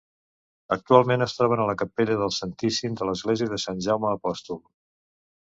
Actualment es troben a la capella del Santíssim de l'Església de Sant Jaume Apòstol.